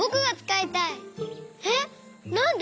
えっなんで？